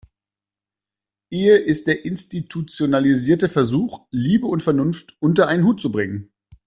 Ehe ist der institutionalisierte Versuch, Liebe und Vernunft unter einen Hut zu bringen.